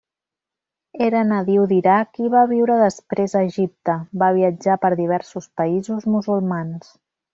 Era nadiu d'Iraq i va viure després a Egipte; va viatjar per diversos països musulmans.